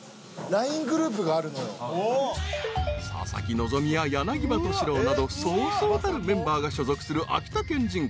［佐々木希や柳葉敏郎などそうそうたるメンバーが所属する秋田県人会］